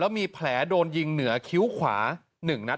และมีแผลโดนยิงเหนือคิ้วขาหนึ่งนัท